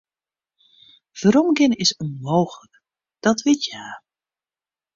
Weromgean is ûnmooglik, dat wit hja.